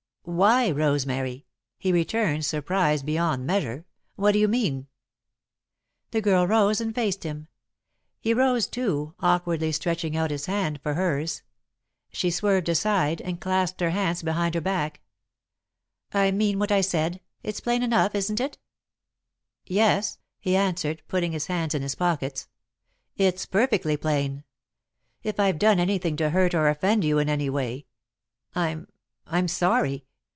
"Why, Rosemary!" he returned, surprised beyond measure. "What do you mean?" The girl rose and faced him. He rose, too, awkwardly stretching out his hand for hers. She swerved aside, and clasped her hands behind her back. [Sidenote: It's All a Mistake] "I mean what I said; it's plain enough, isn't it?" "Yes," he answered, putting his hands in his pockets, "it's perfectly plain. If I've done anything to hurt or offend you in any way, I I'm sorry."